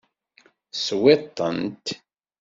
Teswiḍ-tent?